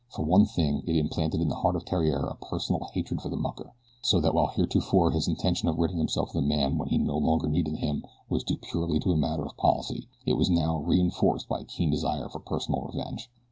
For one thing it implanted in the heart of Theriere a personal hatred for the mucker, so that while heretofore his intention of ridding himself of the man when he no longer needed him was due purely to a matter of policy, it was now reinforced by a keen desire for personal revenge.